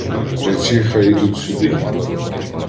— Речи, хай ідуть сюди.